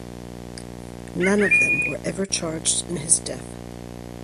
None of them were ever charged in his death.